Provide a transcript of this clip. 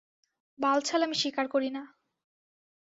বালছাল আমি স্বীকার করি না।